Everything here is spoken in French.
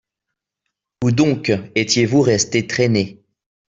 Où donc étiez-vous resté traîner ?